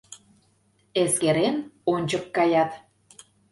Эскерен, ончык каят...